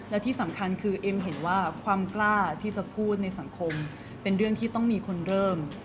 และที่สำคัญคือเอ็มเห็นว่าความกล้าที่จะพูดในสังคมเป็นเรื่องที่ต้องมีคนเริ่ม